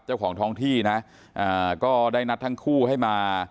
เจ้าของท้องที่นะก็ได้นัดทั้งคู่ให้มา